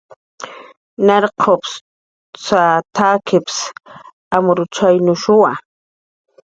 "Narqupsa, t""akips amrutzaynushuwa"